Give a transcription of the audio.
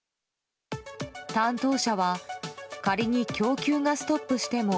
担当者は仮に供給がストップしても